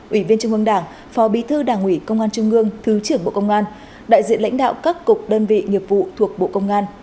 ủy viên trung ương đảng phó bí thư đảng ủy công an trung ương thứ trưởng bộ công an đại diện lãnh đạo các cục đơn vị nghiệp vụ thuộc bộ công an